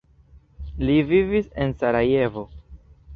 Li vivis en Sarajevo.